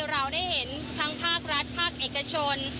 เราได้เห็นทั้งภาครัฐภาคเอกชน